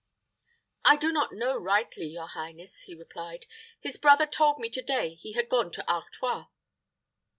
"I do not know rightly, your highness," he replied. "His brother told me to day he had gone to Artois."